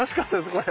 これ。